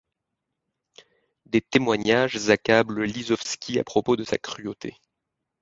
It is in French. Des témoignages accablent Lisovski à propos de sa cruauté.